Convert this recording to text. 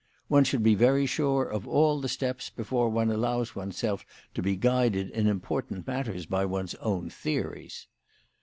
One should be very sure of all the steps before one allows oneself to be guided in important matters by one's own theories